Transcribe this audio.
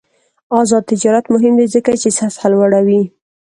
آزاد تجارت مهم دی ځکه چې سطح لوړوي.